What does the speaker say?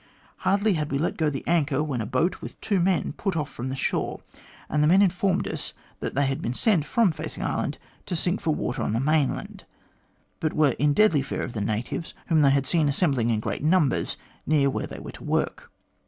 Hardly had we let go the anchor, when a boat with two men put off from the shore, and the men informed us that they had been sent from Facing Island to sink for water on the mainland, but were in deadly fear of the natives, whom they had seen assembling in great numbers near where they were at work.